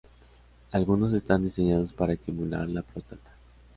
Algunos están diseñados para estimular la próstata.